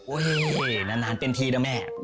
เว้นานเป็นทีนะแม่